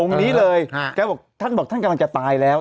นี้เลยแกบอกท่านบอกท่านกำลังจะตายแล้ว